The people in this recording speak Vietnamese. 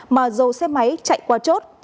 mà dồ xe máy chạy qua chốt